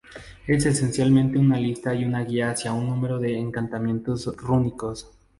Es esencialmente una lista y una guía hacia un número de encantamientos rúnicos.